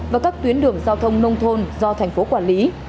và các tuyến đường giao thông nông thôn do thành phố quản lý